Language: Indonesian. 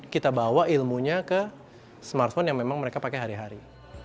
kita bawa ilmunya ke smartphone yang memang mereka pakai hari hari